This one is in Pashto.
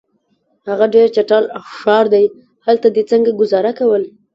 هغه ډېر چټل ښار دی، هلته دي څنګه ګذاره کول؟